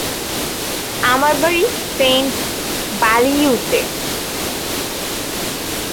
আমার বাড়ি সেইন্ট-বারিইউতে।